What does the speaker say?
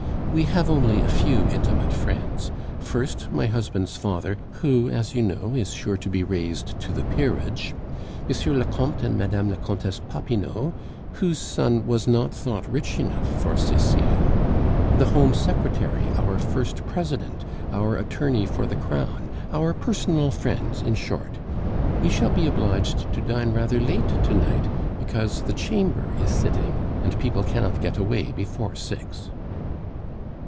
"We have only a few intimate friends first, my husband's father, who, as you know, is sure to be raised to the peerage; M. le Comte and Mme. la Comtesse Popinot, whose son was not thought rich enough for Cecile; the Home Secretary; our First President; our attorney for the crown; our personal friends, in short. We shall be obliged to dine rather late to night, because the Chamber is sitting, and people cannot get away before six."